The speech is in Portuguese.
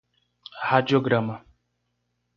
radiograma